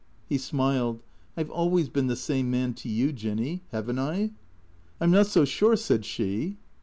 He smiled. " I 've always been the same man to you, Jinny. Have n't I ?"" I 'm not so sure," said she.